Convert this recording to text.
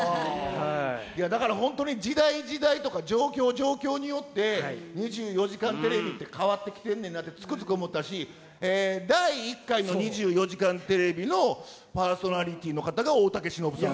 だから本当に、時代時代とか、状況状況によって、２４時間テレビって変わってきてんねんなって、つくづく思ったし、第１回の２４時間テレビのパーソナリティーの方が大竹しのぶさん。